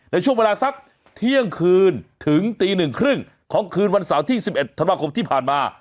ในช่วงเวลาสักเที่ยงคืนถึงตี๑๓๐ของคืนวันเสาร์ที่๑๑ธันวาคมที่ผ่านมา